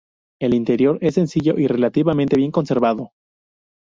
El interior es sencillo y relativamente bien conservado.